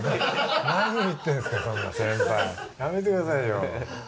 何言ってんすかそんな先輩やめてくださいよ。